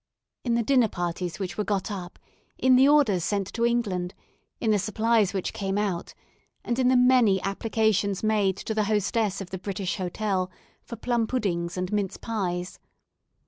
In the dinner parties which were got up in the orders sent to England in the supplies which came out, and in the many applications made to the hostess of the British Hotel for plum puddings and mince pies.